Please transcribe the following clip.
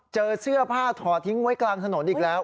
เจอเสื้อผ้าถอดทิ้งไว้กลางถนนอีกแล้ว